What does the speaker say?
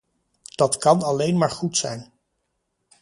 Dat kan alleen maar goed zijn.